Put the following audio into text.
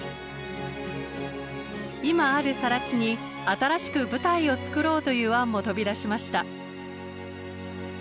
今あるさら地に新しく舞台をつくろうという案も飛び出しました。